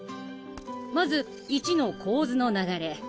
まず１の構図の流れ。